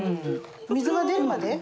水が出るまで？